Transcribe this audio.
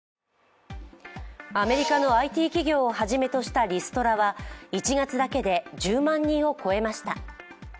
アメリカのＩＴ企業をはじめとしたリストラは１月だけで１０万人を超えました。